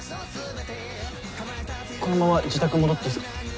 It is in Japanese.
このまま自宅に戻っていいですか？